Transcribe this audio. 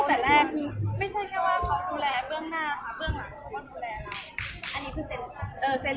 เกียรติการเส่นกับการตอนไหน